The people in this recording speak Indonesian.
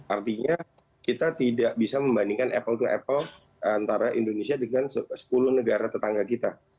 artinya kita tidak bisa membandingkan apple to apple antara indonesia dengan sepuluh negara tetangga kita